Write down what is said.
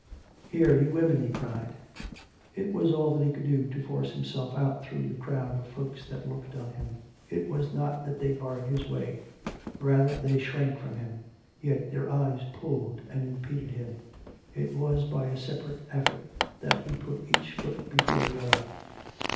" Here ! you women !" he cried. It was all that he could do to force himself out through the crowd of folks that looked on him. It was not that they barred his way. Rather they shrank from him; yet their eyes pulled and impeded him; it was by a separate effort that he put each foot before the other.